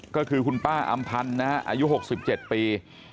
ก็คือคุณป้าอำพันธ์นะฮะอายุ๖๗ปี